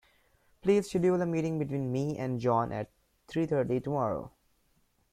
Please schedule a meeting between me and John at three thirty tomorrow.